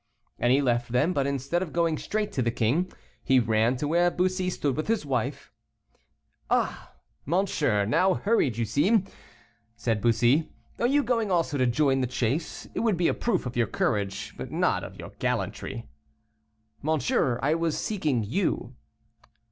And he left them, but instead of going straight to the king, he ran to where Bussy stood with his wife. "Ah! monsieur, how hurried you seem," said Bussy. "Are you going also to join the chase; it would be a proof of your courage, but not of your gallantry." "Monsieur, I was seeking you."